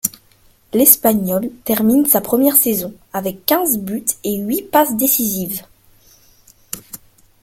L'Espagnol termine sa première saison avec quinze buts et huit passes décisives.